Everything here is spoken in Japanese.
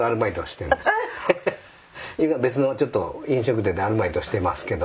別のちょっと飲食店でアルバイトしてますけど。